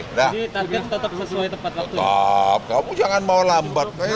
jadi target tetap sesuai tempat waktu ya